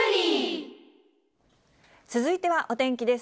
続いてはお天気です。